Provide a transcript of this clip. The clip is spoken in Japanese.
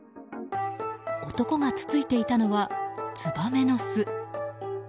男がつついていたのはツバメの巣。